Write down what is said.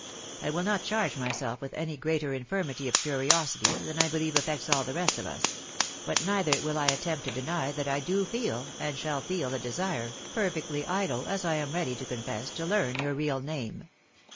I wiU not charge myself with any greater infirmity of curiosity than I believe affects all the rest of us ; but neither will I attempt to deny that I do feel, and shall feel a desire, perfectly idle, as I am ready to confess, to learn your real name.